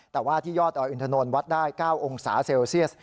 แต่ว่าที่ยอดดอยอินทนนท์วัดได้๙องศาเซลเซียส